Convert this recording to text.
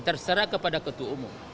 terserah kepada ketua umum